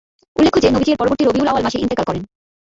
উল্লেখ্য যে, নবীজী এর পরবর্তী রবীউল আও‘য়াল মাসে ইন্তেকাল করেন।